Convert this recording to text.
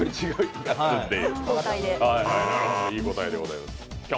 いい答えでございます。